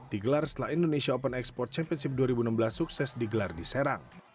digelar setelah indonesia open export championship dua ribu enam belas sukses digelar di serang